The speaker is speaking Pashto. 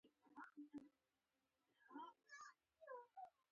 خلافت د مسلمانانو لپاره د ملي هویت د جوړولو لپاره یوه قوي وسیله ده.